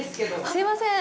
すみません。